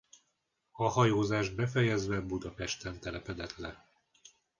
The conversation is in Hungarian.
A hajózást befejezve Budapesten telepedett le.